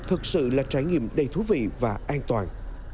thật sự là trải nghiệm đầy thú vị và an toàn